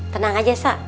tenang aja sa